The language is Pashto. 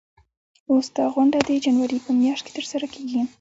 اوس دا غونډه د جنوري په میاشت کې ترسره کیږي.